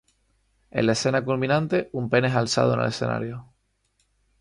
En la escena culminante, un pene es alzado en el escenario.